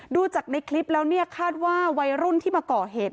ดูจากในคลิปแล้วเนี่ยคาดว่าวัยรุ่นที่มาก่อเหตุ